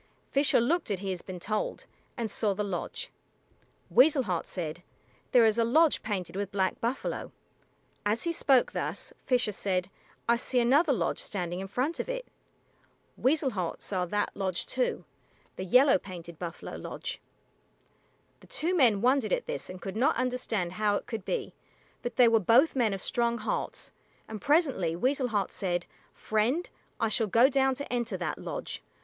Fisher looked as he had been told, and saw the lodge. Weasel Heart said, "There is a lodge painted with black buffalo." As he spoke thus, Fisher said, "I see another lodge, standing in front of it." Weasel Heart saw that lodge too the yellow painted buffalo lodge. The two men wondered at this and could not understand how it could be, but they were both men of strong hearts, and presently Weasel Heart said, "Friend, I shall go down to enter that lodge.